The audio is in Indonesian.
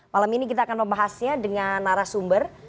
malam ini kita akan membahasnya dengan narasumber